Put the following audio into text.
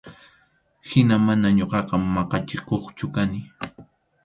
Hina mana ñuqaqa maqachikuqchu kani.